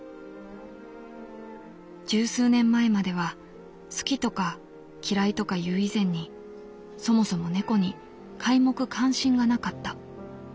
「十数年前までは好きとか嫌いとかいう以前にそもそも猫に皆目関心がなかった。